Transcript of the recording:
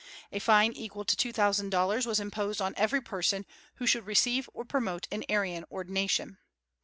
A fine equal to two thousand dollars was imposed on every person who should receive or promote an Arian ordination.